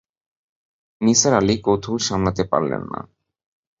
নিসার আলি কৌতূহল সামলাতে পারলেন না।